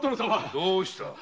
どうした？